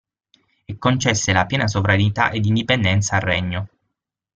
E concesse la piena sovranità ed indipendenza al Regno.